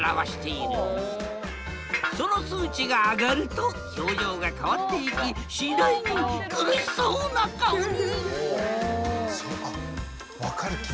その数値が上がると表情が変わっていきしだいに苦しそうな顔に！